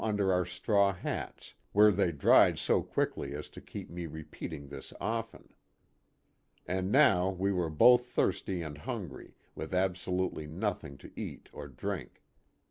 der our straw hats, where they dried so quickly as to keep me repeating this often. And now we were both thirsty and hungry, with absolutely nothing to eat or drink.